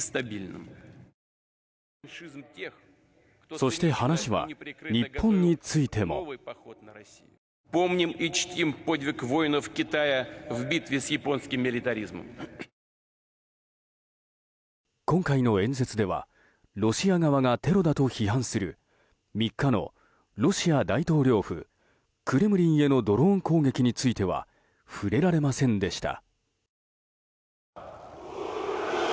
そして話は日本についても。今回の演説ではロシア側がテロだと批判する３日のロシア大統領府クレムリンへのドローン攻撃については触れられませんでした。